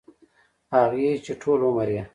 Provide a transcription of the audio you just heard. هغـې چـې ټـول عـمر يـې